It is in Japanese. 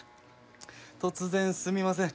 突然すみません。